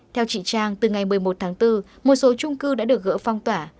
theo chị trang từ ngày một mươi một tháng bốn một số trung cư đã được gỡ phong tỏa